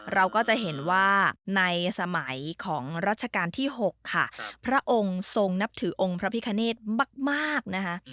เราก็จะเห็นว่าในสมัยของรัชกาลที่๖ค่ะพระองค์ทรงนับถือองค์พระพิคเนธมากนะคะ